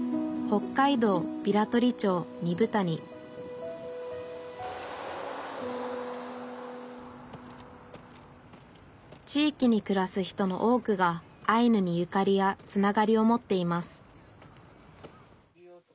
北海道平取町二風谷地域にくらす人の多くがアイヌにゆかりやつながりを持っています